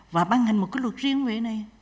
và ban hành một cái luật riêng về này